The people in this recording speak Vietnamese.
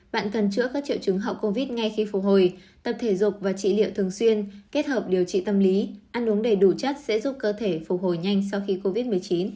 bạn cần chữa các triệu chứng hậu covid ngay khi phục hồi tập thể dục và trị liệu thường xuyên kết hợp điều trị tâm lý ăn uống đầy đủ chất sẽ giúp cơ thể phục hồi nhanh sau khi covid một mươi chín